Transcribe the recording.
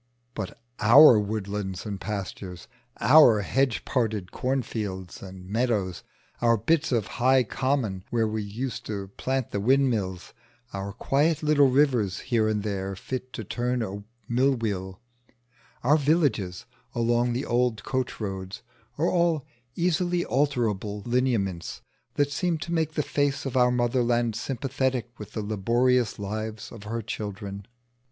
But our woodlands and pastures, our hedge parted corn fields and meadows, our bits of high common where we used to plant the windmills, our quiet little rivers here and there fit to turn a mill wheel, our villages along the old coach roads, are all easily alterable lineaments that seem to make the face of our Motherland sympathetic with the laborious lives of her children.